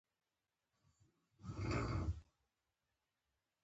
د قومي تعصب ختمیدل د ګډ ژوند لپاره ضروري ده.